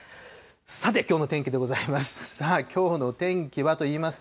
さて、きょうの天気でございます。